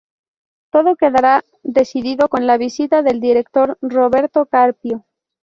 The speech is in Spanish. Todo quedará decidido con la visita del director, Roberto Carpio.